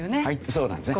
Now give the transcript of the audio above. そうなんですね。